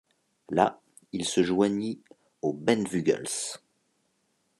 Là, il se joignit aux Bentvueghels.